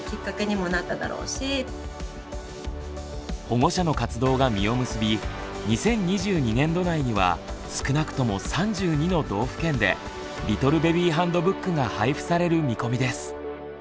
保護者の活動が実を結び２０２２年度内には少なくとも３２の道府県でリトルベビーハンドブックが配布される見込みです。